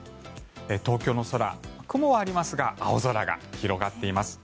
東京の空、雲はありますが青空が広がっています。